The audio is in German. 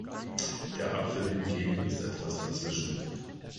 Der Apfel hingegen ist etwas dazwischen.